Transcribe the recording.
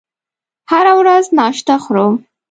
هره ورځ ناشته خورم